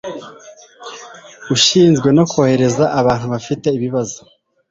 ushinzwe no kohereza abantu bafite ibibazo